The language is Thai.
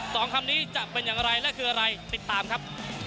คำนี้จะเป็นอย่างไรและคืออะไรติดตามครับ